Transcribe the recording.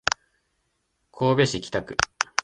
神戸市北区